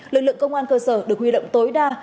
lực lượng công an cơ sở được huy động tối đa